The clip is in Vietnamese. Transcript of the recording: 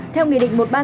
theo nghị định